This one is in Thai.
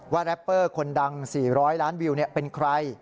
แรปเปอร์คนดัง๔๐๐ล้านวิวเป็นใคร